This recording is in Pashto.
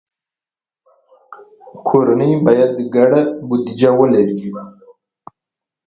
کورنۍ باید ګډه بودیجه ولري.